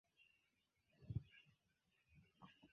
Tre frue, dank'al siaj studoj, li fariĝis teologo kaj helenisto.